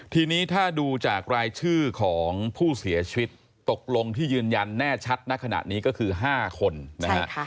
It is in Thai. ทีนี้ถ้าดูจากรายชื่อของผู้เสียชีวิตตกลงที่ยืนยันแน่ชัดณขณะนี้ก็คือ๕คนนะฮะ